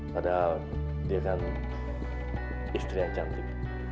padahal dia kan istri yang cantik